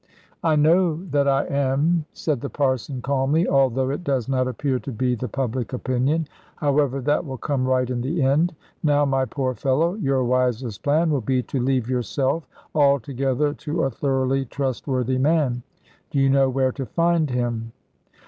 "I know that I am," said the Parson, calmly; "although it does not appear to be the public opinion. However, that will come right in the end. Now, my poor fellow, your wisest plan will be to leave yourself altogether to a thoroughly trustworthy man. Do you know where to find him?"